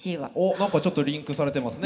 何かちょっとリンクされてますね